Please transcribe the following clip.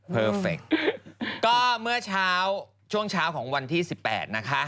เพอร์เฟคก็เมื่อเช้าช่วงเช้าของวันที่๑๘นะคะ